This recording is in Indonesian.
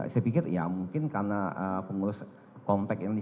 saya akan mencoba untuk mencoba